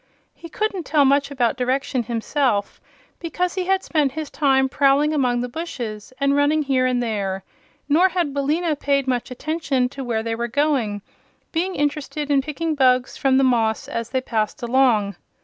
He couldn't tell much about direction himself, because he had spent his time prowling among the bushes and running here and there; nor had Billina paid much attention to where they were going, being interested in picking bugs from the moss as they passed along.